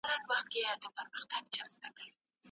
پښتو به په مصنوعي ځیرکتیا کې خپل رول ولوبوي.